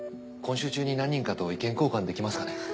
今週中に何人かと意見交換できますかね？